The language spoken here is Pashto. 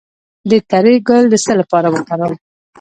د تره ګل د څه لپاره وکاروم؟